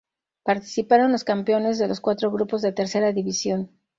Participaron los campeones de los cuatro grupos de Tercera División.